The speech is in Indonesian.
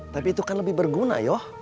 tapi itu kan lebih berguna yoh